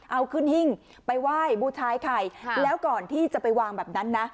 เอาขึ้นหิ้งไปไหว้บูชายไข่แล้วก่อนที่จะไปวางแบบนั้นนะ